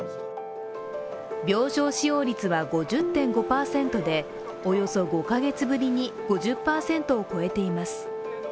病床使用率は５０．５％で、およそ５ヶ月ぶりに５０％を超えています